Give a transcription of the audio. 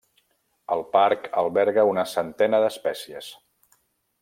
El Parc alberga una centena d'espècies.